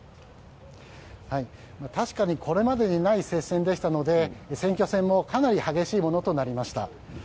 確かにこれまでにない接戦でしたので選挙戦もかなり激しいものとなりました。